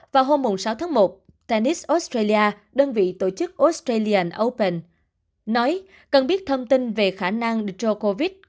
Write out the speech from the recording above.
vào hôm sáu tháng một tennis australia đơn vị tổ chức australia open nói cần biết thông tin về khả năng dro covid